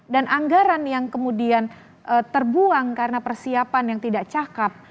dan anggaran yang kemudian terbuang karena persiapan yang tidak cakep